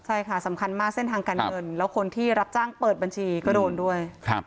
ใช่ค่ะสำคัญมากเส้นทางการเงินแล้วคนที่รับจ้างเปิดบัญชีก็โดนด้วย